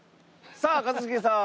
さあ一茂さん。